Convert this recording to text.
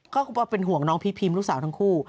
ก็ว่าเป็นห่วงน้องพีพิมลูกสาวทั้งคู่